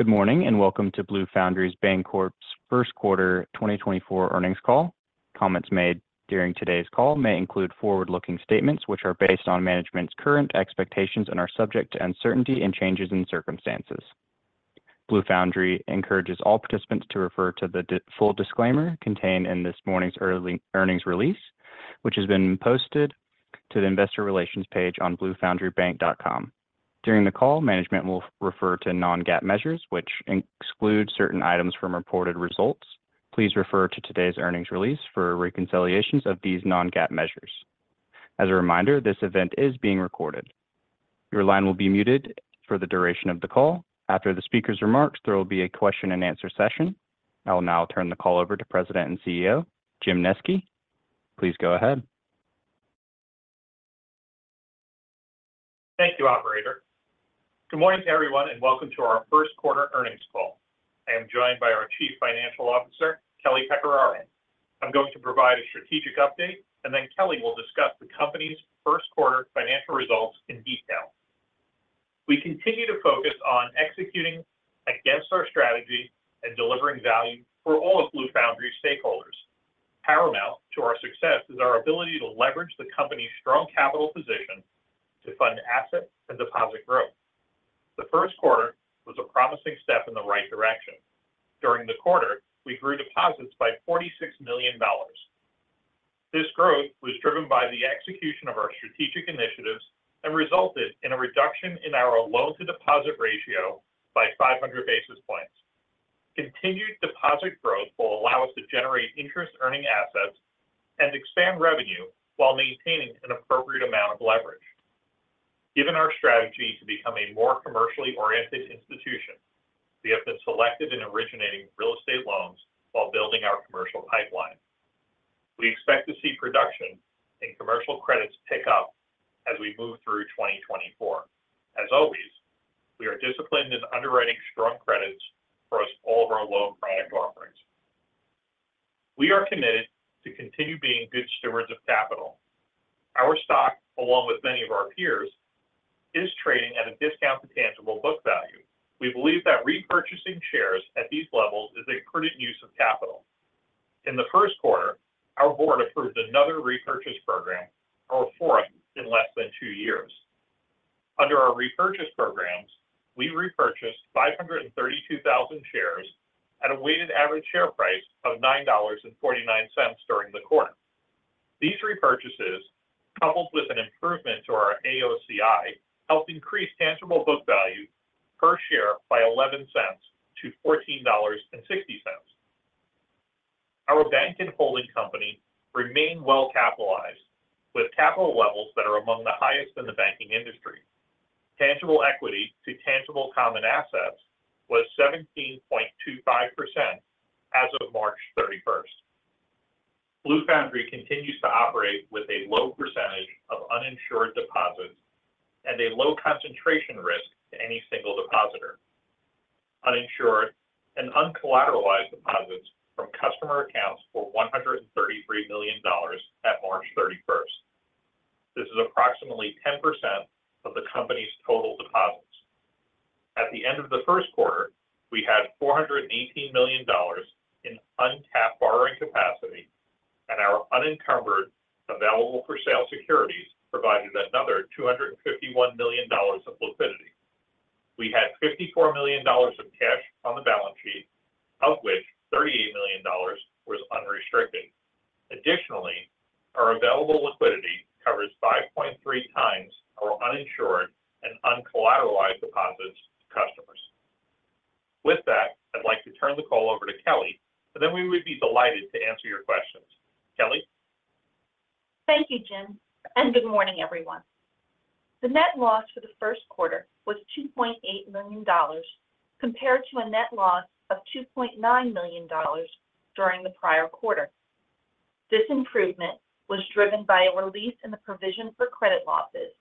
Good morning and welcome to Blue Foundry Bancorp's first quarter 2024 earnings call. Comments made during today's call may include forward-looking statements which are based on management's current expectations and are subject to uncertainty and changes in circumstances. Blue Foundry encourages all participants to refer to the full disclaimer contained in this morning's earnings release, which has been posted to the investor relations page on bluefoundrybank.com. During the call, management will refer to non-GAAP measures which exclude certain items from reported results. Please refer to today's earnings release for reconciliations of these non-GAAP measures. As a reminder, this event is being recorded. Your line will be muted for the duration of the call. After the speaker's remarks, there will be a question-and-answer session. I will now turn the call over to President and CEO Jim Nesci. Please go ahead. Thank you, Operator. Good morning to everyone and welcome to our first quarter earnings call. I am joined by our Chief Financial Officer, Kelly Pecoraro. I'm going to provide a strategic update, and then Kelly will discuss the company's first quarter financial results in detail. We continue to focus on executing against our strategy and delivering value for all of Blue Foundry's stakeholders. Paramount to our success is our ability to leverage the company's strong capital position to fund asset and deposit growth. The first quarter was a promising step in the right direction. During the quarter, we grew deposits by $46 million. This growth was driven by the execution of our strategic initiatives and resulted in a reduction in our loan-to-deposit ratio by 500 basis points. Continued deposit growth will allow us to generate interest-earning assets and expand revenue while maintaining an appropriate amount of leverage. Given our strategy to become a more commercially oriented institution, we have been selective in originating real estate loans while building our commercial pipeline. We expect to see production and commercial credits pick up as we move through 2024. As always, we are disciplined in underwriting strong credits for all of our loan product offerings. We are committed to continue being good stewards of capital. Our stock, along with many of our peers, is trading at a discount to tangible book value. We believe that repurchasing shares at these levels is a prudent use of capital. In the first quarter, our board approved another repurchase program, our fourth in less than two years. Under our repurchase programs, we repurchased 532,000 shares at a weighted average share price of $9.49 during the quarter. These repurchases, coupled with an improvement to our AOCI, helped increase tangible book value per share by $0.11 to $14.60. Our bank and holding company remain well-capitalized, with capital levels that are among the highest in the banking industry. Tangible equity to tangible common assets was 17.25% as of March 31st. Blue Foundry continues to operate with a low percentage of uninsured deposits and a low concentration risk to any single depositor. Uninsured and uncollateralized deposits from customer accounts were $133 million at March 31st. This is approximately 10% of the company's total deposits. At the end of the first quarter, we had $418 million in untapped borrowing capacity, and our unencumbered available-for-sale securities provided another $251 million of liquidity. We had $54 million of cash on the balance sheet, of which $38 million was unrestricted. Additionally, our available liquidity covers 5.3x our uninsured and uncollateralized deposits to customers. With that, I'd like to turn the call over to Kelly, and then we would be delighted to answer your questions. Kelly? Thank you, Jim, and good morning, everyone. The net loss for the first quarter was $2.8 million compared to a net loss of $2.9 million during the prior quarter. This improvement was driven by a release in the provision for credit losses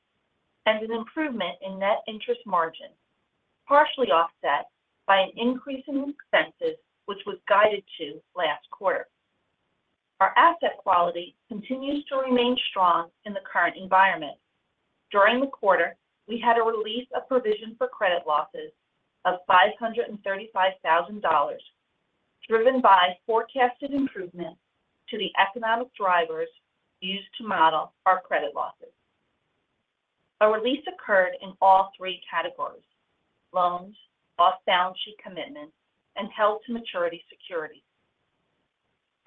and an improvement in net interest margin, partially offset by an increase in expenses which was guided to last quarter. Our asset quality continues to remain strong in the current environment. During the quarter, we had a release of provision for credit losses of $535,000 driven by forecasted improvement to the economic drivers used to model our credit losses. A release occurred in all three categories: loans, off-balance sheet commitments, and held-to-maturity securities.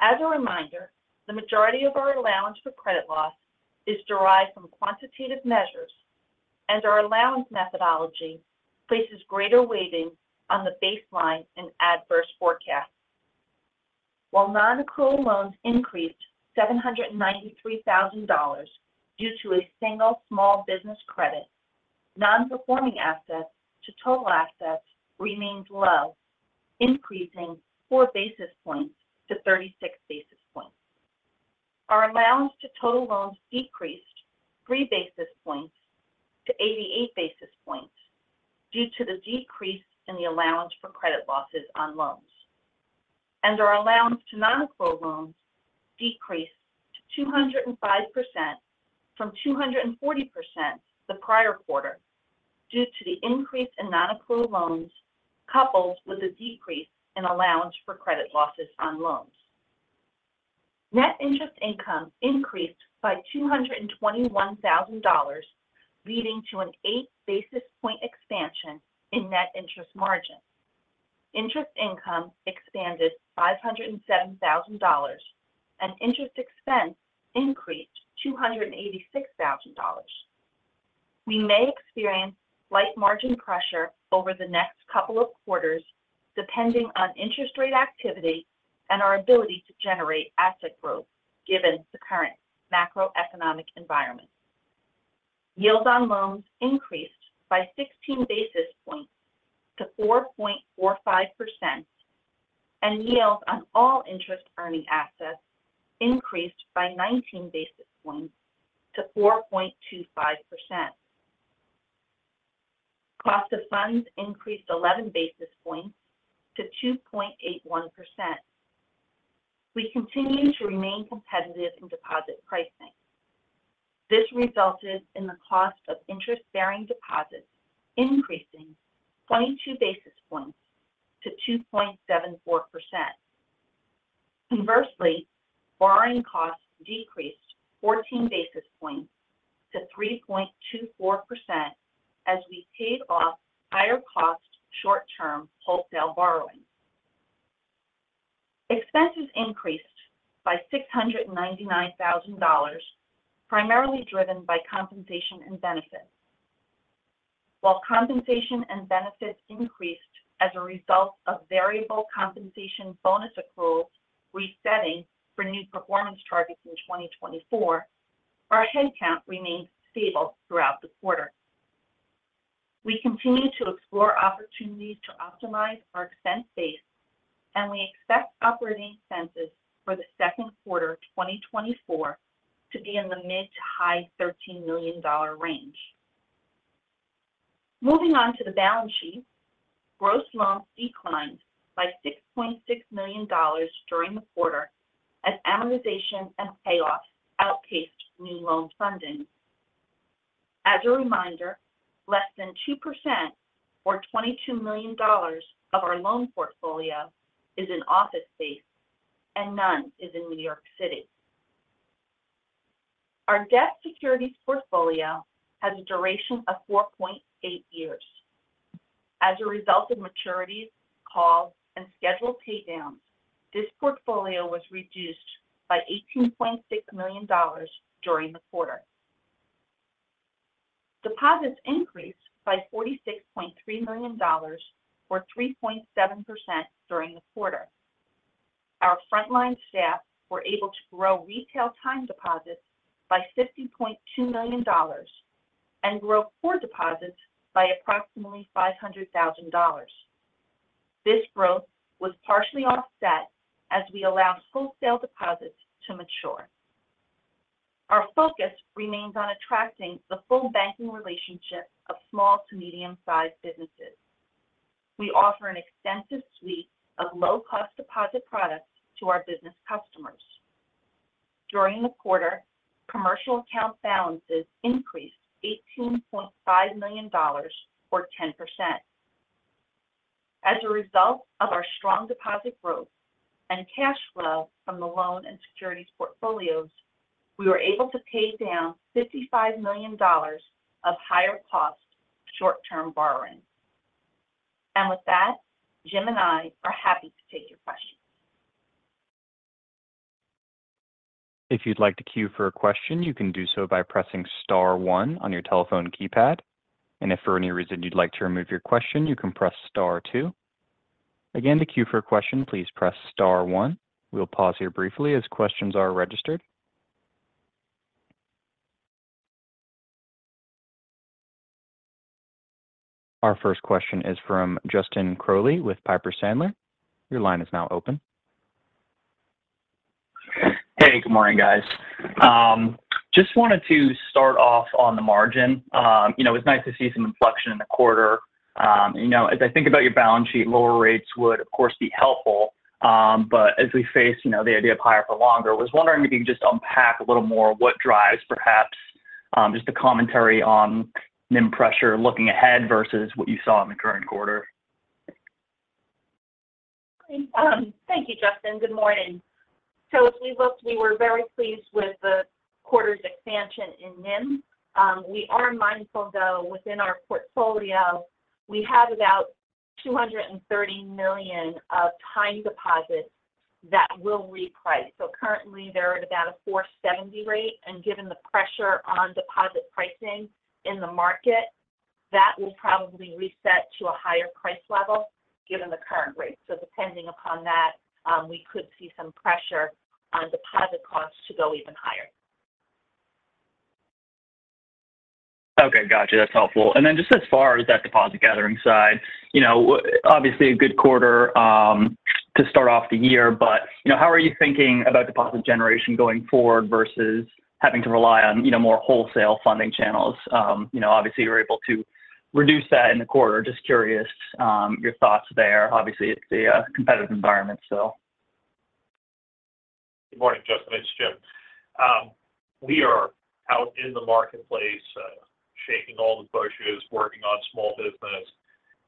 As a reminder, the majority of our allowance for credit loss is derived from quantitative measures, and our allowance methodology places greater weighting on the baseline and adverse forecasts. While non-accrual loans increased $793,000 due to a single small business credit, non-performing assets to total assets remained low, increasing 4 basis points to 36 basis points. Our allowance to total loans decreased 3 basis points to 88 basis points due to the decrease in the allowance for credit losses on loans, and our allowance to non-accrual loans decreased to 205% from 240% the prior quarter due to the increase in non-accrual loans coupled with the decrease in allowance for credit losses on loans. Net interest income increased by $221,000, leading to an 8 basis point expansion in net interest margin. Interest income expanded $507,000, and interest expense increased $286,000. We may experience slight margin pressure over the next couple of quarters depending on interest rate activity and our ability to generate asset growth given the current macroeconomic environment. Yields on loans increased by 16 basis points to 4.45%, and yields on all interest-earning assets increased by 19 basis points to 4.25%. Cost of funds increased 11 basis points to 2.81%. We continue to remain competitive in deposit pricing. This resulted in the cost of interest-bearing deposits increasing 22 basis points to 2.74%. Conversely, borrowing costs decreased 14 basis points to 3.24% as we paid off higher-cost short-term wholesale borrowing. Expenses increased by $699,000, primarily driven by compensation and benefits. While compensation and benefits increased as a result of variable compensation bonus accrual resetting for new performance targets in 2024, our headcount remained stable throughout the quarter. We continue to explore opportunities to optimize our expense base, and we expect operating expenses for the second quarter 2024 to be in the mid to high $13 million range. Moving on to the balance sheet, gross loans declined by $6.6 million during the quarter as amortization and payoffs outpaced new loan funding. As a reminder, less than 2% or $22 million of our loan portfolio is in office space, and none is in New York City. Our debt securities portfolio has a duration of 4.8 years. As a result of maturities, calls, and scheduled paydowns, this portfolio was reduced by $18.6 million during the quarter. Deposits increased by $46.3 million or 3.7% during the quarter. Our frontline staff were able to grow retail time deposits by $50.2 million and grow core deposits by approximately $500,000. This growth was partially offset as we allowed wholesale deposits to mature. Our focus remains on attracting the full banking relationship of small to medium-sized businesses. We offer an extensive suite of low-cost deposit products to our business customers. During the quarter, commercial account balances increased $18.5 million or 10%. As a result of our strong deposit growth and cash flow from the loan and securities portfolios, we were able to pay down $55 million of higher-cost short-term borrowing. And with that, Jim and I are happy to take your questions. If you'd like to cue for a question, you can do so by pressing star 1 on your telephone keypad. If for any reason you'd like to remove your question, you can press star 2. Again, to cue for a question, please press star 1. We'll pause here briefly as questions are registered. Our first question is from Justin Crowley with Piper Sandler. Your line is now open. Hey, good morning, guys. Just wanted to start off on the margin. It was nice to see some inflection in the quarter. As I think about your balance sheet, lower rates would, of course, be helpful, but as we face the idea of higher for longer, I was wondering if you could just unpack a little more what drives perhaps just the commentary on NIM pressure looking ahead versus what you saw in the current quarter? Great. Thank you, Justin. Good morning. So as we looked, we were very pleased with the quarter's expansion in NIM. We are mindful, though, within our portfolio, we have about $230 million of time deposits that will reprice. So currently, they're at about a 4.70 rate, and given the pressure on deposit pricing in the market, that will probably reset to a higher price level given the current rate. So depending upon that, we could see some pressure on deposit costs to go even higher. Okay. Gotcha. That's helpful. And then just as far as that deposit gathering side, obviously, a good quarter to start off the year, but how are you thinking about deposit generation going forward versus having to rely on more wholesale funding channels? Obviously, you were able to reduce that in the quarter. Just curious your thoughts there. Obviously, it's a competitive environment, so. Good morning, Justin. It's Jim. We are out in the marketplace shaking all the bushes, working on small business,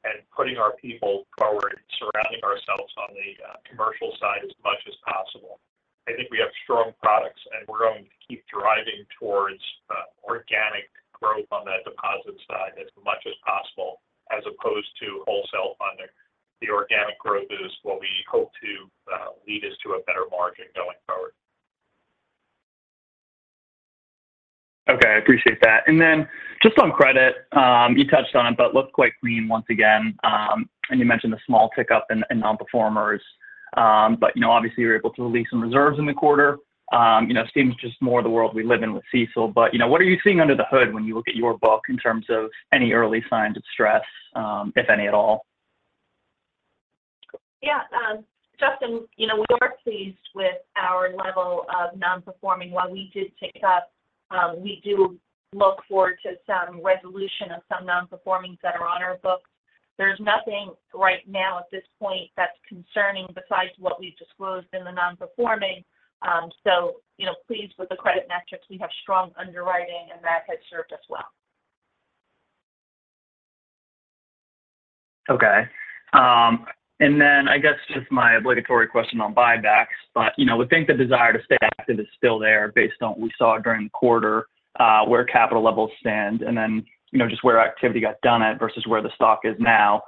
and putting our people forward, surrounding ourselves on the commercial side as much as possible. I think we have strong products, and we're going to keep driving towards organic growth on that deposit side as much as possible as opposed to wholesale funding. The organic growth is what we hope to lead us to a better margin going forward. Okay. I appreciate that. And then just on credit, you touched on it, but it looked quite clean once again. And you mentioned the small tick-up in nonperformers. But obviously, you were able to release some reserves in the quarter. Seems just more of the world we live in with CECL, but what are you seeing under the hood when you look at your book in terms of any early signs of stress, if any at all? Yeah. Justin, we are pleased with our level of non-performing. While we did tick up, we do look forward to some resolution of some non-performings that are on our books. There's nothing right now at this point that's concerning besides what we've disclosed in the non-performing. So pleased with the credit metrics. We have strong underwriting, and that has served us well. Okay. And then I guess just my obligatory question on buybacks, but I would think the desire to stay active is still there based on what we saw during the quarter, where capital levels stand, and then just where activity got done at versus where the stock is now.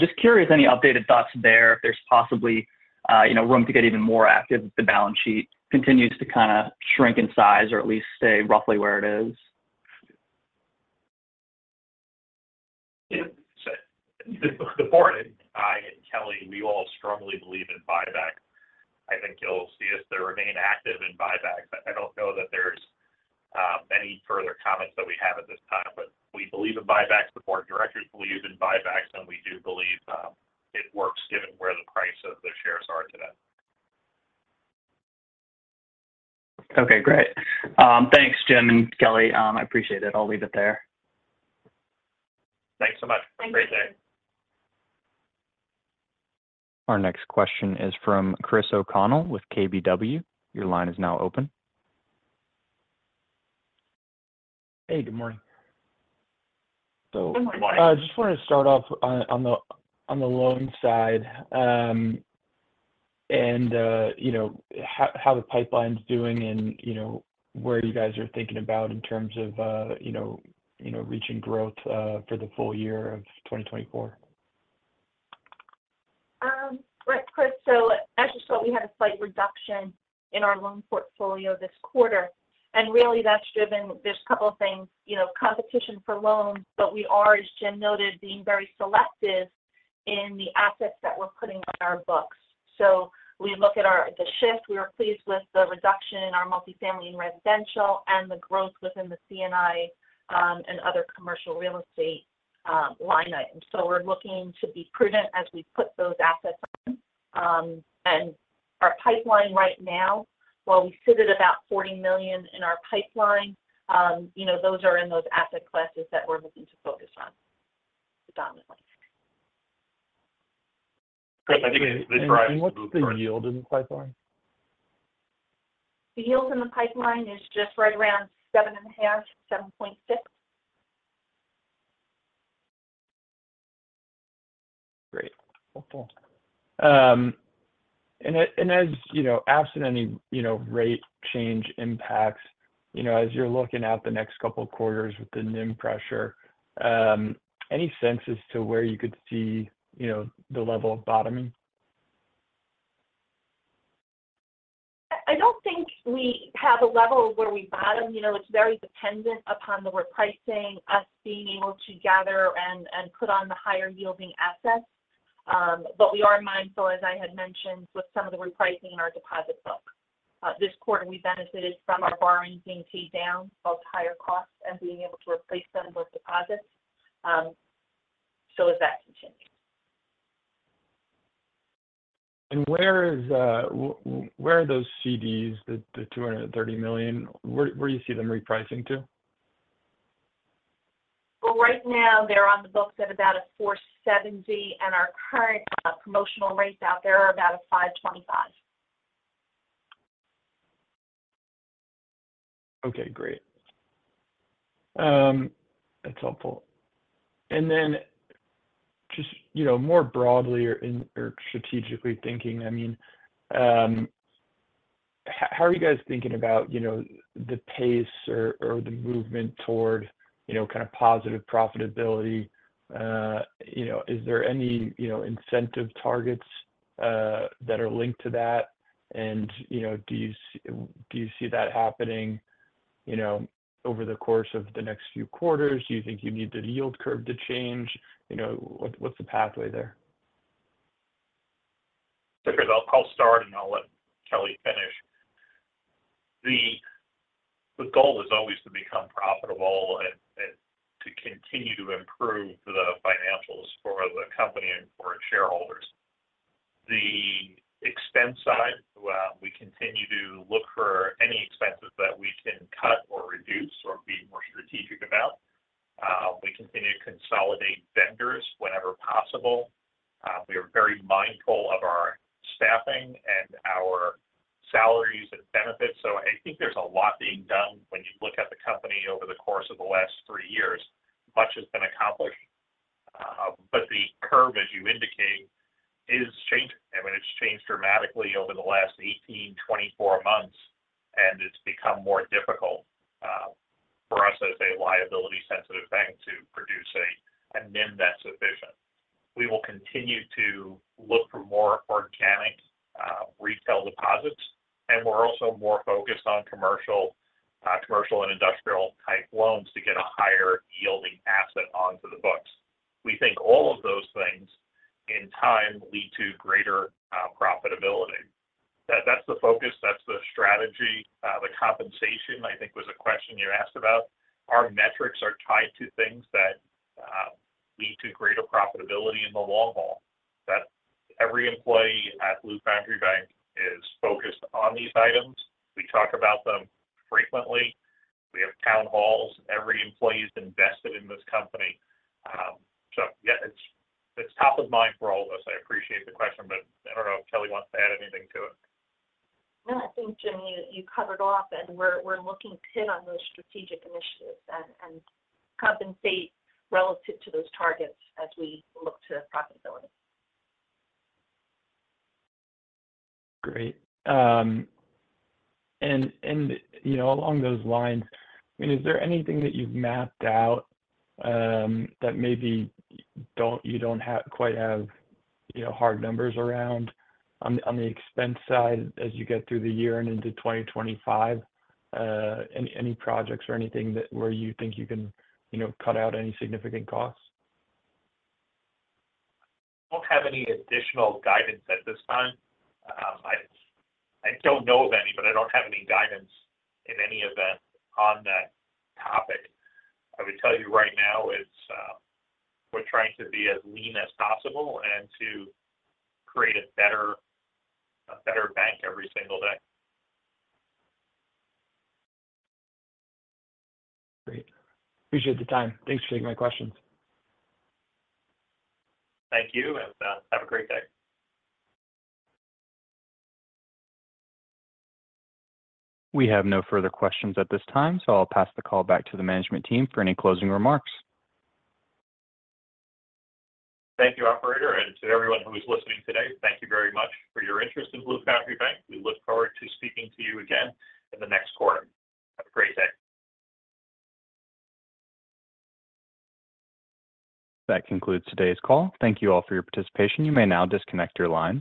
Just curious any updated thoughts there, if there's possibly room to get even more active if the balance sheet continues to kind of shrink in size or at least stay roughly where it is. Before it, I and Kelly, we all strongly believe in buybacks. I think you'll see us there remain active in buybacks. I don't know that there's any further comments that we have at this time, but we believe in buybacks. The board of directors believes in buybacks, and we do believe it works given where the price of the shares are today. Okay. Great. Thanks, Jim and Kelly. I appreciate it. I'll leave it there. Thanks so much. Great day. Thank you. Our next question is from Chris O'Connell with KBW. Your line is now open. Hey, good morning. I just wanted to start off on the loan side and how the pipeline's doing and where you guys are thinking about in terms of reaching growth for the full year of 2024? Right, Chris. So as you saw, we had a slight reduction in our loan portfolio this quarter. And really, that's driven there's a couple of things. Competition for loans, but we are, as Jim noted, being very selective in the assets that we're putting on our books. So we look at the shift. We were pleased with the reduction in our multifamily and residential and the growth within the C&I and other commercial real estate line items. So we're looking to be prudent as we put those assets on. And our pipeline right now, while we sit at about $40 million in our pipeline, those are in those asset classes that we're looking to focus on predominantly. Chris, I think this drives what's the. What's the yield in the pipeline? The yield in the pipeline is just right around 7.5-7.6. Great. Helpful. Absent any rate change impacts, as you're looking out to the next couple of quarters with the NIM pressure, any sense as to where you could see the level of bottoming? I don't think we have a level where we bottom. It's very dependent upon the repricing, us being able to gather and put on the higher-yielding assets. But we are mindful, as I had mentioned, with some of the repricing in our deposit books. This quarter, we benefited from our borrowings being paid down, both higher costs and being able to replace them with deposits. So as that continues. Where are those CDs, the $230 million? Where do you see them repricing to? Well, right now, they're on the books at about a 470, and our current promotional rates out there are about a 525. Okay. Great. That's helpful. And then just more broadly or strategically thinking, I mean, how are you guys thinking about the pace or the movement toward kind of positive profitability? Is there any incentive targets that are linked to that? And do you see that happening over the course of the next few quarters? Do you think you need the yield curve to change? What's the pathway there? So Chris, I'll start and I'll let Kelly finish. The goal is always to become profitable and to continue to improve the financials for the company and for its shareholders. The expense side, we continue to look for any expenses that we can cut or reduce or be more strategic about. We continue to consolidate vendors whenever possible. We are very mindful of our staffing and our salaries and benefits. So I think there's a lot being done. When you look at the company over the course of the last three years, much has been accomplished. But the curve, as you indicate, is changing. I mean, it's changed dramatically over the last 18, 24 months, and it's become more difficult for us as a liability-sensitive bank to produce a NIM that's efficient. We will continue to look for more organic retail deposits, and we're also more focused on commercial and industrial-type loans to get a higher-yielding asset onto the books. We think all of those things, in time, lead to greater profitability. That's the focus. That's the strategy. The compensation, I think, was a question you asked about. Our metrics are tied to things that lead to greater profitability in the long haul. Every employee at Blue Foundry Bank is focused on these items. We talk about them frequently. We have town halls. Every employee is invested in this company. So yeah, it's top of mind for all of us. I appreciate the question, but I don't know if Kelly wants to add anything to it. No, I think, Jim, you covered off, and we're looking to hit on those strategic initiatives and compensate relative to those targets as we look to profitability. Great. And along those lines, I mean, is there anything that you've mapped out that maybe you don't quite have hard numbers around on the expense side as you get through the year and into 2025? Any projects or anything where you think you can cut out any significant costs? I don't have any additional guidance at this time. I don't know of any, but I don't have any guidance in any event on that topic. I would tell you right now, we're trying to be as lean as possible and to create a better bank every single day. Great. Appreciate the time. Thanks for taking my questions. Thank you, and have a great day. We have no further questions at this time, so I'll pass the call back to the management team for any closing remarks. Thank you, operator. To everyone who is listening today, thank you very much for your interest in Blue Foundry Bank. We look forward to speaking to you again in the next quarter. Have a great day. That concludes today's call. Thank you all for your participation. You may now disconnect your line.